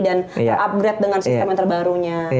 dan terupgrade dengan sistem yang terbarunya